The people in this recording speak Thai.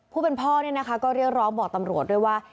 ผู้เป็นพ่อเนี่ยนะคะก็เรียกร้องบอกตำรวจด้วยว่า